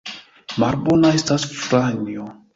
Malbona estas Franjo!